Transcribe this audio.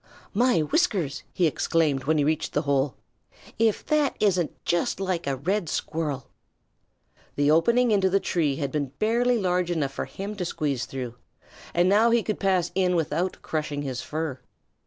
"My whiskers!" he exclaimed, when he reached the hole. "If that isn't just like a Red Squirrel!" The opening into the tree had been barely large enough for him to squeeze through, and now he could pass in without crushing his fur.